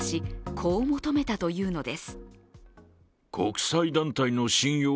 こう求めたというのです。